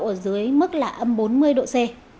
ở dưới mức là âm bốn mươi độ c